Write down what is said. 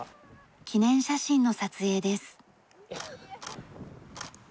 記念写真の撮影です。